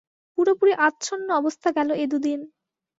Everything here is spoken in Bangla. পুরোপুরি আচ্ছান্ন অবস্থা গেল এ দু দিন।